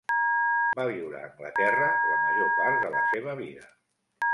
Va viure a Anglaterra la major part de la seva vida.